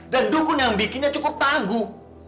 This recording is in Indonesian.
dan dukun yang bikinnya cukup tangguh